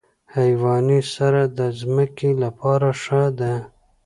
حیواني سره د ځمکې لپاره ښه ده.